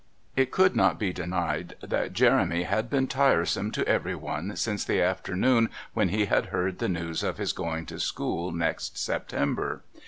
It could not be denied that Jeremy had been tiresome to everyone since the afternoon when he had heard the news of his going to school next September.